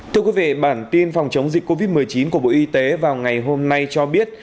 thưa quý vị bản tin phòng chống dịch covid một mươi chín của bộ y tế vào ngày hôm nay cho biết